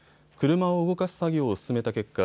車を動かす作業を進めた結果